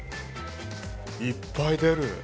いっぱい出る。